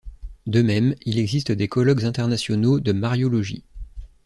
De même, il existe des colloques internationaux de mariologie.